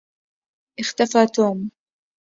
اختفى توم.